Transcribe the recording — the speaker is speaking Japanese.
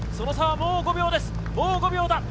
その差はもう５秒です。